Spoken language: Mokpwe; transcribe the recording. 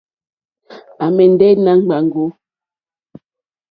À mɛ̀ndɛ̀ nà gbàáŋgò.